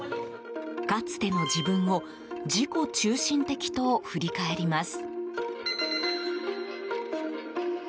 かつての自分を自己中心的と振り返ります。